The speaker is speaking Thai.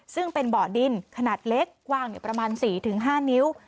ซึ่งเป็นบ่อดินขนาดเล็กกว้างประมาณ๔๕นิ้ว